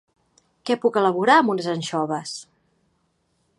Què puc elaborar amb unes anxoves?